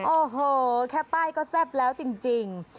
โอ้โหแค่ป้ายก็แซ่บแล้วจริง